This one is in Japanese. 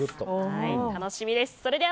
楽しみです。